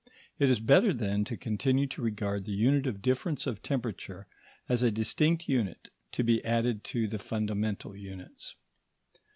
It is better, then, to continue to regard the unit of difference of temperature as a distinct unit, to be added to the fundamental units.